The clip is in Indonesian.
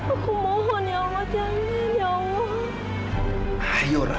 aku mohon ya allah jangan ya allah